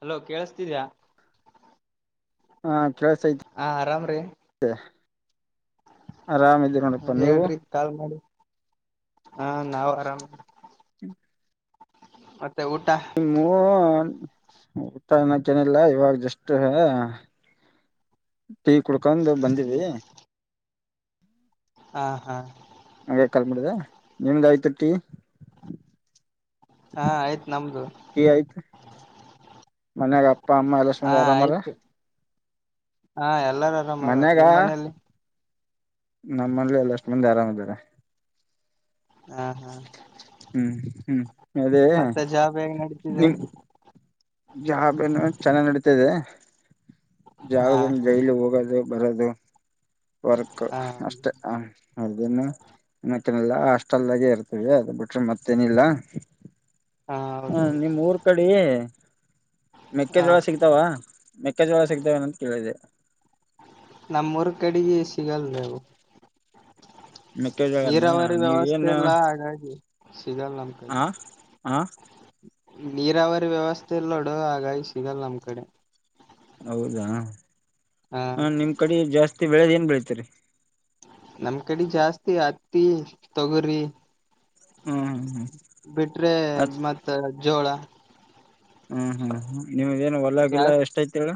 Hello ಕೇಳಸ್ ಹಾ ಕೆಲಸ ಐತಿ ಹಾ ಆರಾಮ್ರೀ ಮತ್ತೆ ಹ ನೀವು ಹೇಳ್ರಿ ಕಾಲ್ ಮಾಡಿ ಹಾ ನಾವು ಆರಾಮ. ಹ ಮತ್ತೆ ಊಟ. ನಿಮ್ಮೂ ಊಟ ಏನು ತಿನಿಲ್ಲ ಇವಾಗ ಜಸ್ಟ್ ಟೀ ಕುಡ್ಕೊಂಡು ಬಂದೀವಿ ಹಾ ಹಾ. ಹಂಗೆ ಕಾಲ್ ಮಾಡ್ದೆ. ನಿಮ್ದ್ ಆಯ್ತಾ ಟೀ? ಹಾ ಆಯ್ತ್ ನಮ್ದು. ಮನೇಗಾ? ಅಪ್ಪ ಅಮ್ಮ ಎಲ್ಲಾ ಹಾ ಚೆನ್ನಾಗಿದ್ದಾರಾ ಅಮ್ಮಾವರೇ? ಆಯ್ತು ಹಾ [unintelligible] ಎಲ್ಲಾರು ಆರಾಮ್ ಅದಾರ್. ನಿಮ್ ಮನೆಯಲ್ಲಿ? ನಮ್ ಮನೇಲೂ ಎಲ್ಲಷ್ಟ್ ಮಂದಿ ಆರಾಮ್ ಇದಾರೆ. ಹಾ ಹಾ. ಹ್ಮ್ ಹ್ಮ್. ಅದೇ ಮತ್ತೆ ಜಾಬ್ ಹೆಂಗ್ ನಡೀತಿದೆ? ನಿಮ್ ಜಾಬ್ ಏನೋ ಚೆನ್ನಾಗ್ ನಡೀತಿದೆ. ಹಾ ಜಾಬ್ಗೇನ್ ಹಾ ಡೈಲಿ ಹೋಗೋದು? ಬರೋದು? ವರ್ಕ್ ಹಾ ಅಷ್ಟೇ ಹಾ ಅರ್ಜುನ ಮತ್ತ್ ತಿನಲ್ಲ ಹಾಸ್ಟೆಲ್ದಾಗೆ ಇರ್ತಿವಿ. ಅದ್ ಬಿಟ್ರೆ ಮತ್ತೇನಿಲ್ಲ. ಹಾ ನಿಮ್ ಊರ್ ಕಡಿ ಹ ಮೆಕ್ಕೆಜೋಳ ಸಿಗ್ತಾವ? ಮೆಕ್ಕೆಜೋಳ ಸಿಕ್ತಾವೇನಂತ ಕೇಳಿದೆೆ. ನಮ್ಮೂರ್ ಕಡಿಗಿ ಸಿಗಲ್ರಿ ಅವು ಮೆಕ್ಕೆಜೋಳನ ನೀರಾವರಿ ವ್ಯವಸ್ಥೆ ಇಲ್ಲ ಹಾಗಾಗಿ ಸಿಗಲ್ಲ ನಮ್ ಕಡೆ ಹಾ ಹಾ. ನೀರಾವರಿ ವ್ಯವಸ್ಥೆ ಇಲ್ನೋಡು ಹಾಗಾಗಿ ಸಿಗಲ್ಲ ನಮ್ ಕಡೆ ಹೌದಾ? ಹ ಹಾ ನಿಮ್ ಕಡಿ ಜಾಸ್ತ್ ನೀವ್ ಬೆಳೆಗೆ ಏನ್ ಬೆಳಿತೀರಿ? ನಮ್ ಕಡಿ ಜಾಸ್ತಿ ಹತ್ತಿ ತೊಗರಿ ಹ್ಮ್ಮ್. ಬಿಟ್ರೆ ಮಾತಾಡೋದ್ ಜೋಳ ಹ್ಮ್ ಹ್ಮ್ ಹ್ಮ ನಿಮಗೇನ್ ಹೊಲಗಿಲಾ ಜಾಸ್ತಿ ಎಷ್ಟ್ ಐತ್ ಹೇಳ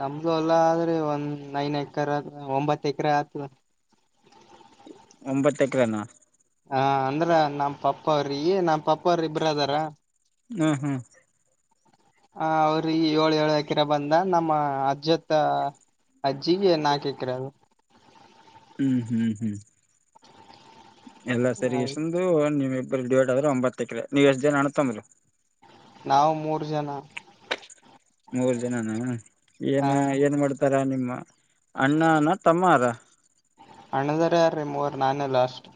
ನಮ್ದು ಎಲ್ಲ ಆದ್ರೆ ಒಂದ್ ನೈನ್ ಎಕರೆ ಒಂಬತ್ತು ಎಕರೆ ಆಗ್ತದ ಒಂಬತ್ತ ಎಕರೆನ ಹ ಅಂದ್ರ ನಮ್ಮ್ ಪಪ್ಪ ಅವ್ರಿ ನಮ್ಮ ಪಪ್ಪ ಅವ್ರ ಇಬ್ರ ಅದಾರ ಹ್ಮ್ ಹ್ಮ್ ಹ ಅವ್ರ ಏಳು ಏಳು ಎಕರೆ ಬಂದ ನಮ್ಮ ಅಜ್ಜತ್ತ ಅಜ್ಜಿಗೆ ನಾಕು ಎಕರೆ ಅವು ಹ್ಮ್ ಹ್ಮ್ ಹ್ಮ್ ಎಲ್ಲ ಸೇರಿ ಅದು ಎಷ್ಟಂದು ನೀವು ಡಿವೈಡ್ ಆದ್ರರು ಒಂಬತ್ತ ಎಕ್ರೆ ನೀವು ಎಷ್ಟು ಜನ ಅಣ್ಣತಮ್ಬಂದ್ರು ನಾವು ಮೂರು ಜನ ಮೂರು ಜನಾನ ಏನ್ ಆ ಏನ್ ಮಾಡ್ತಾರಾ ನಿಮ ಅಣ್ಣಾನ ತಮ್ಮಾರ ಅಣ್ಣಂದಿರ ಇದರ ರಿ ಮೂವರು ನಾನೇ ಲಾಸ್ಟ್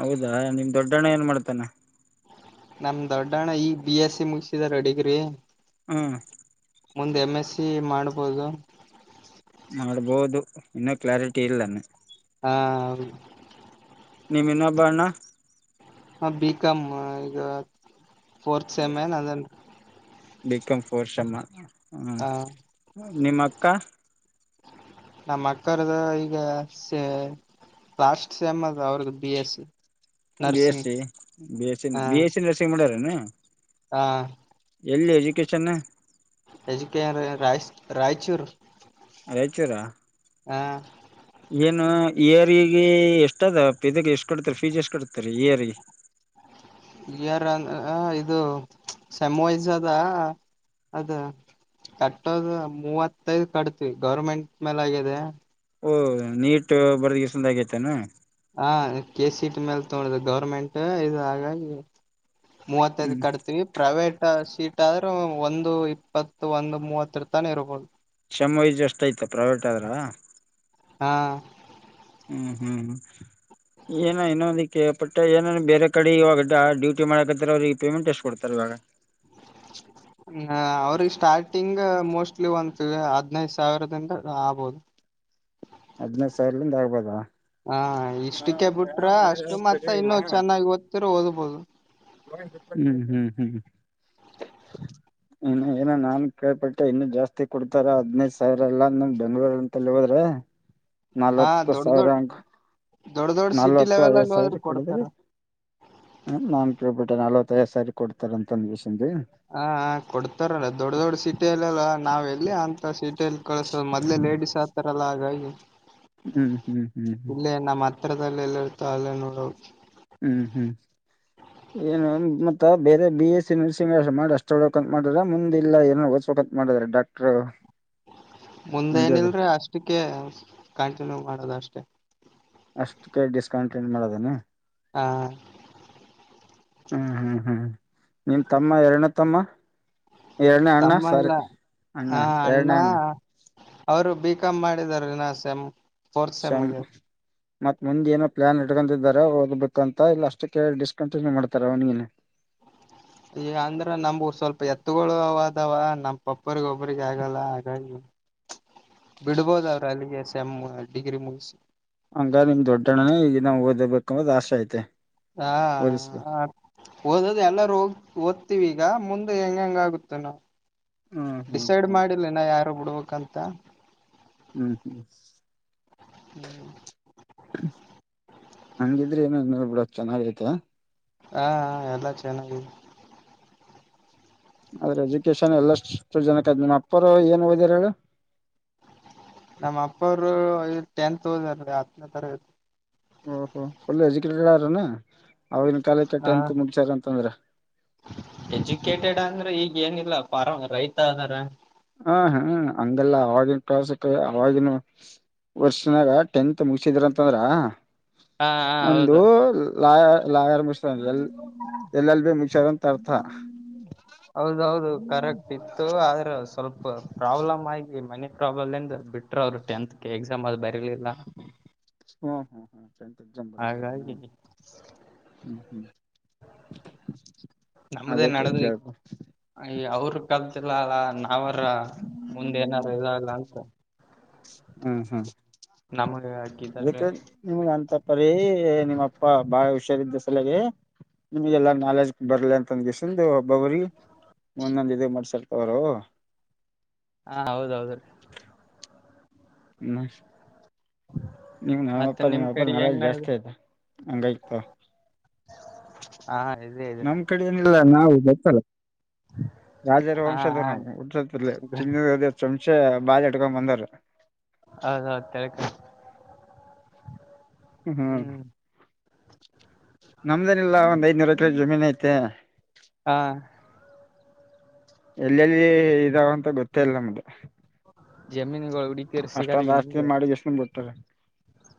ಹೌದಾ ನಿಮ್ ದೊಡ್ಡಣ್ಣ ಏನ್ ಮಾಡ್ತಾನ ನಮ್ ದೊಡ್ಡಣ್ಣ ಈ ಬಿ ಎಸ್ ಸಿ ಮುಗಿಸಿದಾರಿ ಡಿಗ್ರಿ ಹ್ಮ ಮುಂದ ಎಮ್ ಎಸ್ ಸಿ ಮಾಡ್ಬೋದು ಮಾಡ್ಬೋದು ಇನ್ನೂ ಕ್ಲಾರಿಟಿ ಇಲ್ಲಾ ಹಾ ಹೌ ನೀಮ್ಮ ಇನ್ನೊಬ್ಬ ಅಣ್ಣ ಹಾ ಬಿ ಕಾ ಮ್ ಈಗ ಫೋರ್ತ್ ಸೆಮ ಏನ್ ಅದಾನ್ ಬಿಕಾಂ ಫೋಶ್ ಮ್ಮ ಹಾ ನಿಮ್ಮ ಅಕ್ಕ ನಮ್ಮ ಅಕ್ಕರ್ದು ಈಗ ಲಾಸ್ಟ್ ಸೆಮ್ ಅದ ಅವ್ರ್ದು B S C B S nursing C, B S C, B S C nursing ಮಾಡ್ಯಾರ [unintelligible] ಹಾ ಎಲ್ಲಿ ಎಜುಕೇಶನ್ ಏಜುಕೆಯರ್ ರಾಯ ರಾಯಚೂರ್ ರಾಯಚೂರ ಹಾ ಏನು ಇಯರಿಗೆ ಎಷ್ಟ ಅದ ಪದಗೆ ಎಷ್ಟು ಕಡ್ತರಿ ಫೀಜ್ ಎಷ್ಟ ಕಡ್ತರಿ ಇಯರ್ ಇಯರ್ ಇದು ಸೆಮ್ ವೈಸ್ ಅದ ಕಟ್ಟೋದ ಮೂವತ್ತೈದು ಕಟ್ತಿವಿ ಗೌರ್ಮೆಂಟ್ ಮೇಲ್ ಆಗಿದೆ ಓ ನೀಟ್ ಬರದಷ್ಟಂದ ಆಗೈತನಾ ಹಾ ಕೆ ಸಿ ಟಿ ಮೇಲ್ ತೊಗೊಂಡಿದೆ ಗೌರ್ಮೆಂಟ್ ಇದು ಹಾಗಾಗಿ ಮೂವತ್ತೈದ ಹ್ಮ್ ಕಟ್ತೀವಿ ಪ್ರೈವೇಟ್ ಸೀಟ್ ಆದ್ರೂ ಒಂದು ಇಪ್ಪತ್ತು ಒಂದು ಮೂವತ್ತರ ತಾನ ಇರಬಹದು ಕ್ಷಮ ವೈಜ್ಯು ಅಷ್ಟ ಆಯ್ತ ಪ್ರೈವೇಟ್ ಆದ್ರ ಹಾ ಹ್ಮ್ ಹ್ಮ್ ಹ್ಮ್ ಏನ ಇನ್ನೊದಕ್ಕೆ ಪಟ್ಟ ಏನ ಬೇರೆ ಕಡೆ ಇವಾಗ ಡ್ಯೂಟಿ ಮಾಡಕತ್ತರ ಅವ್ರಿಗೆ ಪೇಮೆಂಟ್ ಎಷ್ಟು ಕೊಡ್ತಾರ ಇವಾಗ ಹ ಅವ್ರ ಸ್ಟಾರ್ಟಿಂಗ್ ಈ ಮೋಸ್ಟ್ಲಿ ಒಂತ ಹದ್ನೈದು ಸಾವಿರದಿಂದ ಆಗಬಹುದು ಹದಿನೈದು ಸಾವಿರಲಿಂದ ಆಗ್ಬೋದಾ ಹಾ ಇಷ್ಟಕ್ಕೆ ಬಿಟ್ರ ಅಷ್ಟು ಮತ್ ಇನ್ನು ಬೇಕಾಗಿಲ್ಲ ಚೆನ್ನಾಗಿ ಓದ್ತಿರು ಓದ್ಬೋದು ಹ್ಮ್ ಹ್ಮ್ ಹ್ಮ್ ಇನ್ನು ಏನ ನಾನ್ ಕೇಳ್ಪಟ್ಟೆ ಇನ್ನು ಜಾಸ್ತಿ ಕೊಡ್ತಾರ ಹದ್ನೈದ ಸಾವಿರ ಎಲ್ಲಮ್ ಬೆಂಗ್ಗಳೂರ್ ಅಂತಲ್ಲಿ ಹೋದ್ರೆ ಹಾ ನಲ್ವತ್ತು ದೊಡ್ಡ ದೊಡ್ ಸಾವಿರಂಗ ದೊಡ್ಡ ದೊಡ್ ಸಿಟಿ ನಲ್ವತ್ತು ಲೆವೆಲ್ ಐವತ್ ಅಲ್ಲಿ ಹೋದ್ರು ಸಾವ್ರ ಕೊಡ್ತಾರ [unintelligible] ನಾನ್ ಕೇಲ್ಪಟ್ಟೆ ನಾಲ್ [unintelligible] ಕೊಡ್ತಾರೆ ಅಂತ ಒಂದ್ ವಿಶ್ ಹ ಹಾ ಕೊಡ್ತಾರಲ್ಲ ದೊಡ್ ದೊಡ್ ಸಿಟಿಯಲ್ಲಿ ಅಲ್ಲ ನಾವ್ ಎಲ್ಲಿ ಅಂತ ಸಿಟಿಯಲ್ ಕಳ್ಸೋ ಮೊದ್ಲೆ ಲೇಡಿಸ್ ಆಗ್ತಾರಲ್ಲ ಹಾಗಾಗಿ ಹ್ಮ್ ಹ್ಮ್ ಹ್ಮ್ ಹ್ಮ್ ಅತ್ರದಲ್ ಎಲ್ಲ ಇರ್ತ ಅಲ್ಲ ನೋಡಿ ಹ್ಮ್ ಹ್ಮ್ ಏನು ಮತ್ತ ಬೇರೆ ಬಿ ಎಸ್ಸಿ ನರ್ಸಿಂಗ್ ಮಾಡ ಅಷ್ಟಳ್ [unintelligible] ಮಾಡಾರ ಮುಂದ್ ಇಲ್ಲ ಏನನ್ ಓದ್ಸ್ಬೇಕಂತ್ ಮಾಡಿದ್ರ ಡಾಕ್ಟ್ರು ಮುಂದೇನು ಹಂಗದ್ರ ಇಲ್ರಿ ಅಷ್ಟಿ ಕ್ಕೆ ಲೊವ್ ಮಾಡೋದ ಅಷ್ಟೆ ಅಷ್ಟಕ್ಕೆ ಡಿಸ್ಕೌಂಟ್ ಏನ್ ಮಾಡೋದೇನು ಹಾ ಹ್ಮ್ ಹ್ಮ್ ಹ್ಮ್ ನಿನ್ ತಮ್ಮ ಎರ್ಡ್ನೇ ತಮ್ಮ ಎರಡನೇ ಅಣ್ಣ ತಮ್ಮ ಸಾರಿ ಇಲ್ಲ ಅಣ್ಣ ಹ ಅಣ್ಣ ಎರಡನೇ ಅವ್ರು ಬಿಕಾಮ್ ಮಾಡಿದ್ದಾರೆ [unintelligible] ಸೆಮ್ ಫೋರ್ತ್ ಸೆಮ್ ಶ್ಯಾಮ್ ಆಗ್ಯಾದ ಮತ್ ಮುಂದ್ ಏನೋ ಪ್ಲಾನ್ ಇಟ್ಕೊಂಡಿದಾರ ಓದ್ಬೇಕು ಅಂತ ಇಲ್ಲ ಅಷ್ಟಕ್ಕೆ ಡಿಸ್ಕಂಟಿನ್ಯೂ ಮಾಡ್ತಾರೆ ಅವ್ನಿಗ ಅಂದ್ರ ನಮ್ಗೂ ಸ್ವಲ್ಪ ಎತ್ತುಗಳು ಅದವ ಒಬ್ಬರಿಗ್ ಒಬ್ಬರಿಗ್ ಆಗಲ್ಲ ಹಾಗಾಗಿ ಬಿಡ್ಬೋದ ಅವ್ರ ಅಲ್ಲಿಗೆ ಸೆಮ್ ಡಿಗ್ರಿ ಮುಗ್ಸಿ ಹಂಗ ನಿಮ್ ದೊಡ್ಡಣ್ಣನೇ ಈಗನ್ನ ಓದ್ಬೇಕು ಅಂತ್ ಆಸೆ ಐತೆ ಹಾ ಓದಿಸ್ಬೇಕು ಓದದು ಎಲ್ಲಾರೂ ಹೋ ಓದ್ತಿವಿ ಈಗ ಮುಂದೆ ಹೆಂಗ ಹೆಂಗ ಆಗುತ್ತನೋ ಹ್ಮ್ ಹ್ಮ್ ಡಿಸೈಡ್ ಹ್ಮ್ ಮಾಡಿಲ್ಲ ಇನ ಯಾರ್ ಬಿಡ್ಬೇಕಂತ ಹ್ಮ್ ಹ್ಮ್ ಹ್ಮ್ ಹಂಗಿದ್ರಿ ಏನು ಅನ್ನಲ್ ಬಿಡು ಚೆನ್ನಾಗೈತೆ ಹಾ ಹಾ ಎಲ್ಲಾ ಚೆನ್ನಾಗಿ ಆದ್ರೆ ಎಜುಕೇಶನ್ ಎಲ್ಲಷ್ಟು ಜನಕ್ ನಿಮ್ ಅಪ್ಪರು ಏನ್ ಓದ್ಯರ್ ಹೇಳು ನಮ್ ಅಪ್ಪ ಅವ್ರು ಟೆಂತ್ ಓದಾರ ಹತ್ನೇ ತರಗತಿ ಹೋ ಹೋ ಫುಲ್ ಎಜುಕೇಟೆಡ್ ಆರೆನು ಅವಾಗಿನ ಕಾಲಕ್ಕೆ ಹಾ ಟೆಂತು ಮುಗಿಸಾರ್ ಅಂತಂದ್ರೆ ಎಜುಕೇಟೆಡ್ ಅಂದ್ರೆ ಈಗ್ ಏನಿಲ್ಲ ಫಾರಂ ರೈತ ಅದಾರ ಹ ಹ್ಮ ಹಂಗಲ್ಲ ಆವಾಗಿನ ಕ್ಲಾಸ್ಕ್ ಅವವಾಗಿನ ವರ್ಷನಾಗ ಟೆಂತ್ ಮುಗಸಿದ್ರಂತಂದ್ರ ಹಾ ಹಾ ಹೌದು ಲಾಯ [unintelligible] ಲಾಯರ್ ಮುಗ್ಸಾರ ಅಂದ್ರೆ, ಎಲ್ ಎಲ್ ಎಲ್ ಬಿ ಮುಗ್ಸಾರ ಅಂತ ಅರ್ಥ. ಹೌದೌದು ಕರೆಕ್ಟ್ ಇತ್ತು, ಆದ್ರ ಸ ಸ್ವಲ್ಪ ಪ್ರಾಬ್ಲಮ್ ಆಗಿ, ಮನೆ [unintelligible] ಪ್ರಾಬ್ಲಂದ [unintelligible] ಬಿಟ್ರು ಅವರು, ಟೆಂತ್ಗೆ ಎಕ್ಸಾಮ್ ಆದ ಬ [unintelligible] ತಿಳಿಲ್ಲ ಚಂದ್ ಎಕ್ಸಾಮ್ ಬರದಿಲೇನು? ಹ್ಮ್ ಹ್ಮ್, ನಮ್ದೇ ಅದೇಕ್ಕೆ ನಡೆದು ಕೇಳ್ಬು [unintelligible] ಗಲ್ಲ ಅಲ್ಲ, ನಾವರ ಮುಂದೆ ಏನಾರ ಇಲ್ಲ ಇಲ್ಲ ಅಂತ ಹ್ಮ್ ಹ್ಮ್ ನಮಗೆ ಹಾಕಿದ್ದಾರೆ ಅದಕ್ಕೆ, ನಿಮ್ಗ ಅಂತ ಪರಿ ನಿಮ್ ಅಪ್ಪ ಬಾಳ ಹುಷಾರಿದ್ದ ಸಲೆಗೆ. ನಿಮ್ಗೆಲ್ಲಾ ನಾಲೆಜ್ ಬರ್ಲಿ ಅಂತ ಹಂದ್ಗೆ ಸಿಂದ್ [unintelligible] ಬವರಿ ಒಂದೊಂದ್ ಇದೆ ಮಾಡ್ಸಲ್ ಅವರು ಹಾ, ಹೌದೌದ ರೀ. ನಶ್ [unintelligible] ನೀವು ಮತ್ತೆ ನಾವಪ್ಪ ನಿಮ್ ನಿಮಪ್ಪಾ ಕಡೆ ನಳ ಹೆಂಗ್ [unintelligible] ನಡ್ದ ಜಾಸ್ತಿ ಆಯ್ತ, ಹಂಗ ಇತ [unintelligible] [inaudible] ಇದೆ ಇದೆ ನಮ್ ಕಡಿ ಏನಿಲ್ಲ, ನಾವು ಬತ್ತಲ ರಾಜರ ಹ ವಂಶದವರ್ ನಾವು, ಹುಟ್ಟುತ್ತಲೇ ಚಿನ್ನದ [unintelligible] ಚಮ [unintelligible] ಮೆ [unintelligible] ಬಾಲ ಇಟ್ಕೊಂಡ್ ಬಂದರು ಹೌದೌದು ಕರೆಕ್ಟ್ [unintelligible] ಹ್ಮ್ ಹಾ [inaudible] ನಮ್ದೇನಿಲ್ಲ ಒಂದ್ ಐದನೂರ ಎಕರೆ ಜಮೀನ್ ಐತೆ. ಹಾ ಎಲ್ಲೆಲ್ಲಿ ಇದಾವಂತ ಗೊತ್ತೇ ಇಲ್ಲ ನಮ್ದು. ಜಮೀನ್ ತಿಗಳು [unintelligible] ಉಡ್ಕಿದ್ರು ಸಿಗಲ್ಲ ಈಗ ನಿಮ್ಗೆ? ಹತದೆ [unintelligible]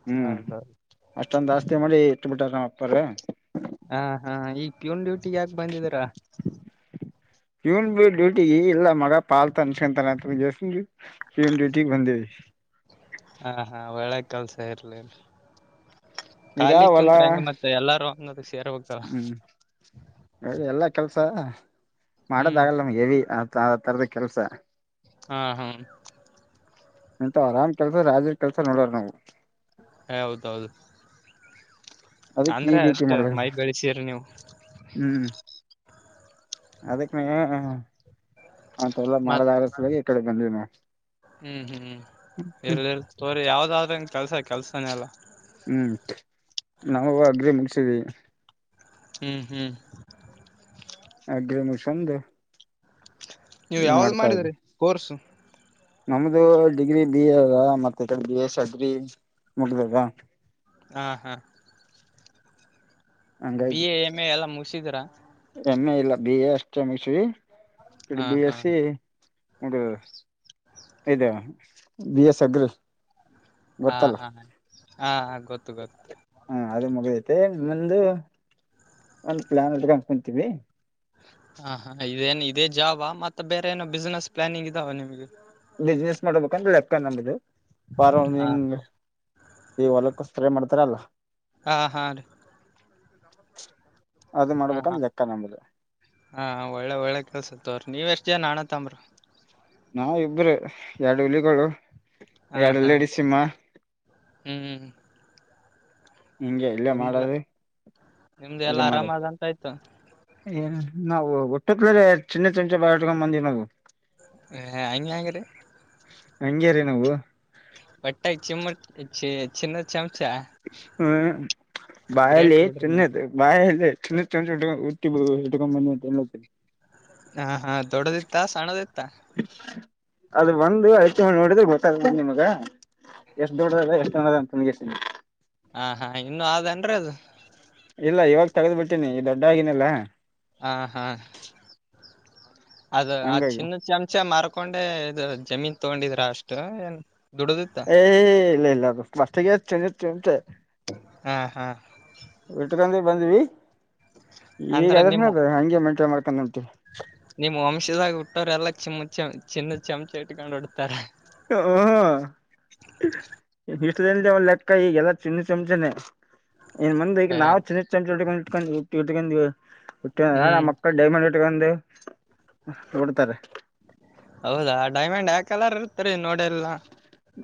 ಹ್ಮ್, ಹೌದೌದು ಅಷ್ಟೊಂದ್ ಆಸ್ತಿ ಮಾಡಿ [unintelligible] ಬಿಟ್ಟಾರ್ ನಮ್ ಅಪ್ಪಾರ್ ಹಾ ಹಾ, ಈಗ್ [unintelligible] ಇವನ್ ಡ್ಯೂಟಿಗೆ ಯಾಕೆ ಬಂದಿದೀರಾ? ಇವನ್ ಬಿ ಡ್ಯೂಟಿ ಇಲ್ಲ. ಮಗ ಪಾಲ್ ತನ್ಸ್ಕೊಂತನತ್ರ [unintelligible] ಜಸ [unintelligible] ಇವನ್ ಡ್ಯೂಟಿಗ್ ಬಂದೀವಿ. ಹಾ ಹಾ, ಒಳ್ಳೆ ಕೆಲ್ಸ, ಇರ್ಲಿ ಇರ್ಲಿ. ಈಗ ಹೊಲ ಅನ್ನೋದಕ್ ಸೇರ್ಬೇಕಲ್ಲ ಹ್ಮ್ ಹೇಳಿ ಎಲ್ಲಾ ಕೆಲ್ಸಾ ಮಾಡೋದ ಹ್ಮ್ ಆಗಲ್ಲ ಏ ನಮಗೆ ತರದ ಕೆಲ್ಸ ಹ್ಮ್ ಹ್ಮ್ ಎಂತ ಆರಾಮ್ ಕೆಲ್ಸ ರಾಜೀ ಕೆಲ್ಸ ನೋಡರ್ ನಾವು ಹ ಹೌದ ಹೌದು ಅದಕ್ ಈ ಅಂದ್ರೆ ಡ್ಯೂಟಿ ಮಾಡ್ಲ ಅದಕ್ಕೆನೆ ಮಂತೆ ಎಲ್ಲ ಮಾಡದ ಆರಸ ಈ ಕಡೆ ಬಂದಿನ ಇರಲಿ ತೋರಿ ಯಾವ್ದಾದ ಗ ಕೆಲ್ಸ ಕೆಲ್ಸಾನೆಲ್ಲ ಹ್ಮ್ ನಾವವು ಅಗ್ರಿ ಮುಗಸಿದೀವಿ ಹ್ಮ್ ಹ್ಮ್ ಅಗ್ರಿ ಮುಷಂದು ನೀವು ಯಾವ್ದ್ ಮಾಡಿದ್ರೀ ಕೋರ್ಸು ನಮ್ದು ಡಿಗ್ರಿ ಬಿ ಎ ಅದ ಮತ್ತ ಬಿ ಎಸ್ ಅದ್ರಿ ಮುಗ್ದದ ಹ ಹಾ ಬಿ ಹಂಗಾಗಿ ಎ ಎಮ್ ಎ ಎಲ್ಲ ಮುಗಿಸಿದ್ರ ಎಮ್ ಎ ಇಲ್ಲ ಬಿ ಎ ಎಸ್ಟೆ ಮುಗ್ಸಿವಿ ಹಾ ಇಡ್ಬ ಎ ಹಾ ಸಿ ಹದ ಇದದೆ ಬಿ ಎಸ್ ಅಗ್ರಿ ಹಾ ಗೊತ್ತಲ್ಲ ಹಾ ಹಾ ಗೊತ್ತು ಗೊತ್ತು ಹ ಅದು ಮಗೈತೆ ಮುಂದು ಒಂದ ಪ್ಲಾನ್ ಹಕೊಂಡ ಕುಂತೀವಿ ಹಾ ಹಾ ಇದೇನ್ ಇದೇ ಜಾಬಾ ಮತ್ತೆ ಬೇರೆ ಏನೋ ಬಿಸ್ನೆಸ್ ಪ್ಲಾನಿಂಗ್ ಇದಾವ ನಿಮ್ಗೆ ಬಿಸ್ನೆಸ್ ಮಾಡಬೇಕಂದ್ರೆ ಲೆಕ್ಕ ನಂಬದು ಪರವಾಗಿ ಹಾ ಈ ಒಲಕ ಕರೆ ಮಾಡ್ತಾರಲ್ಲ ಆಹಾರ [inaudible] ಹಾ ಮಾಡ್ಬೇಕಂದ್ ಹ ಲೆಕ್ಕ ನಮ್ದು ಹಾ ಒಳ್ಳೆ ಒಳ್ಳೆ ಕೆಲ್ಸ ತ್ರ ನೀವ್ ಎಷ್ಟ ಜನ ನಾಣತ್ತಂಬ್ರರು ನಾವ್ ಇಬ್ರು ಎರಡು ಇಲಿಗಳು ಹಾ ಎರಡು ಹಾ ಲೇಡಿ ಸಿಮ್ಮ ಹ್ಮ್ ನಿಂಗೆ ಇಲ್ಲ ನಿಮ್ದು ಮಾಡರಿ ನಿಮ್ದು ಇದು ಎಲ್ಲಾ ಆರಾಮ ಮಾಡದು ಅದಂತ ಆಯ್ತು ಏ ನಾವು ಒಟ್ಟತ್ಲ ಚಿನ್ನ ಚಮಚೆ ಬಾಟಕ್ಂದಿವಿ ನಾವು ಹ ಹ ಹ್ಯಾಂಗೆಂಗ್ರಿ ಹಂಗೆ ರೀ ನಾವು ಬಟ್ಟಾ ಚಿಮ್ಮ ಚಿ ಚಿನ್ನ ಚಾಮ್ ಹ್ಮ್ ಗ್ರೇಟ್ ಬಾಯಲ್ಲಿ ಬಿಡ್ರಿ ನೀವು ಚಿನ್ನದು ಬಾಯಲ್ಲಿ ಚಿನ್ನದ್ [unintelligible] ಹಾಕಿಬು ಇಟ್ಕೊಂಡ್ ಬಂದ್ಅಂತ್ ಹೇಳತೆ ಹಾ ಹಾಂ ದೊಡ್ಡದಿತ್ತಾ ಸಾಣ್ದಿತ್ತ ಅದು ಬಂದು ಐದು ನೋಡಿದ್ರೆ ಗೊತ್ತಾಗ ನಿಮಗ ಎಷ್ಟ್ ದೊಡ್ಡದದ ಎಷ್ಟ [unintelligible] ಹಾ ಹಾ ಇನ್ನು ಆದ್ ಏನ್ರೀ ಅದು ಇಲ್ಲ ಇವಾಗ್ ತಗದ್ ಬಿಟ್ಟೀನಿ ಈ ದೊಡ್ಡ ಆಗನಿಲ್ಲಾ ಆ ಹಾ ಅದು ಆ ಹಂಗಾಗಿ ಚಿನ್ನ ಚಮಚ ಮಾರ್ಕೊಂಡೆ ಇದು ಜಮೀನ್ ತಗೊಂಡಿದ್ರ ಅಷ್ಟು ಏನ್ ದುಡದಿತ್ತ ಏ ಇಲ್ಲ ಇಲ್ಲ ಅದು ಮತ್ತಗೆ ಆದ್ ಚಿನ್ನದ್ ಚಮ್ಚ ಹಾ ಹಾ ಉಟ್ಕೊಂಡೆ ಬಂದ್ವಿ ಈಗ ಅಂದ್ರ ಅದ್ರನ ಮೇಗ್ ಹಂಗೆ ಮೆಂಟೈನ್ ಮಾಡ್ ಕನಲ್ತಿವ ನಿಮ್ ವಂಶದಾಗ ಹುಟ್ಟೋವ್ರೆಲ್ಲಾ ಚಿಮ ಚಮ ಚಿನ್ನದ ಚಮಚ ಇಟ್ಕೊಂಡ್ ಹೊಡ್ತಾರೆ [unintelligible] ಲೆಕ್ಕಾ ಈಗೆಲ ಚಿನ್ನದ್ ಚಮಚನೆ ಏನ್ ಮಂದ ಈಗ್ ನಾವು ಚಿನ್ನದ ಚಮ್ಚ್ ಇಟ್ಕೊಂಡು ಹುಟ್ಟಿ ತಿದಂಗ್ದವ್ ಹುಟ್ಟವ್ಯ ಹ್ಮ್ ಮಕ್ಕಳ್ ಡೈಮಂಡ್ ಇಟ್ಟ್ಕೊಂಡು ಕೊಡ್ತಾರೆ ಹೌದಾ ಡೈಮಂಡ್ ಯಾವ್ ಕಲರ್ ಇರ್ತ್ರಿ ನೋಡಿಲ್ಲಾ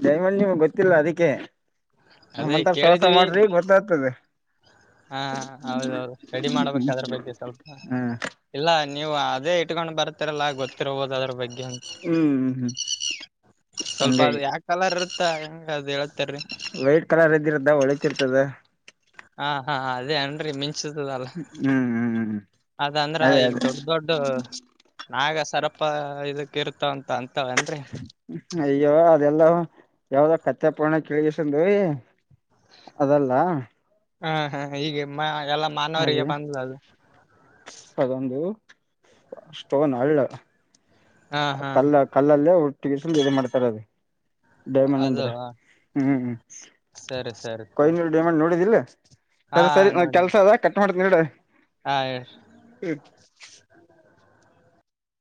ಡೈಮಂಡ ನಿಮ್ಗೆ ಗೊತ್ತಿಲ್ಲ ಅದಿಕೆ ಅದೇ ನಮ್ಮಂತರ ಸವಾಸ ಕೇಳಿದೀವಿ ಮಾಡ್ರಿ ಗೊತ್ತಾಗ್ತದೆ ಹಾ ಹೌದೌದು ರೆಡಿ ಮಾಡ್ಬೇಕ ಅದ್ರ ಬಗ್ಗೆ ಸ್ವಲ್ಪ ಹಾ ಇಲ್ಲ ನೀವು ಅದೇ ಇಟ್ಕೊಂಡ ಬರ್ತಿರಲ್ಲ ಗೊತ್ತಿರ್ಬೋದ್ ಅದ್ರ ಬಗ್ ಹ್ಮ್ ಹ್ಮ್ ಹಂಗಾಗಿ ತ ಹಂಗ್ ಅದ್ ಹೇಳ್ ವೈಟ್ ಕಲರ್ ಇದ್ದಿರುತ್ ಇದ ಒಳಿತಿರ್ತದೆ ಹಾ ಹಾ ಅದೇ ಅನ್ರಿ ಮಿನ್ ಚ್ಚತದಲ್ಲ ಹ್ಮ್ ಹ್ಮ್ ಹ್ಮ್ ಅದಂದ್ರ ಅದೇ ಈಗ್ ಅದೇ ದೊಡ್ ದೊಡ್ ನಾಗ ಸರಪ ಇದಕ್ ಕ್ಕಿರ್ತಾವವಂತ ಅಂತವ ಏನ್ರಿ ಅಯ್ಯೋ ಅದೆಲ್ಲ ಯಾವ್ದೋ ಕತ್ತೆಪುರ್ಣ ಕೇಳ್ಗಿಸಂದೀ ಅದಲ್ಲ ಹಾ ಹಾ ಹೀಗೆ ಮ ಎಲ್ಲ ಮಾನವರಿಗೆ ಅದೇ ಬಂದ್ ಅದು ಅದೊಂದು ಸ್ಟೋನ್ ಹಳ್ ಹಾ ಹಾ ಕಲ್ಲ ಕಲ್ಲಲ್ಲೇ ಹು ಟಿಗಿಸಿಲ್ ಇದೆ ಮಾಡ್ತಾರದ್ ಕೊಹಿನೂರ್ ಡೈಮಂಡ್ ಅದು ಅಂದ್ರ ಹ್ಮ್ ಸರಿ ಸರಿ ಕೊಹಿ ತಗೋರಿ ನೂರು ಡೈಮಂಡ್ ನೋಡಿದಿಲ್ಲ ಹಾ ಸರಿ ಸರಿ ನ ನೋಡೇನ್ ಕೆಲ್ಸ ಅದ ನೋಡ್ತಿನಿ ಇಡ ಹಾ ಹೇ [unintelligible]